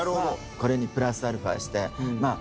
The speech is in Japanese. これにプラスアルファして。